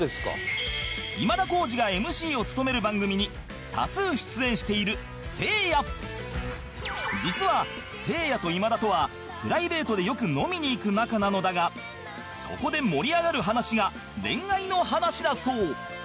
今田耕司が ＭＣ を務める番組に多数出演している実はせいやと今田とはプライベートでよく飲みに行く仲なのだがそこで盛り上がる話が恋愛の話だそう